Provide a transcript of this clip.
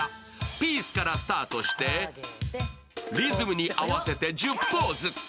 ピースからスタートしてリズムに合わせて１０ポーズ。